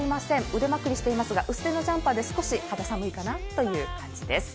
腕まくりしていますが薄手のジャンパーで少し肌寒いかなという感じです。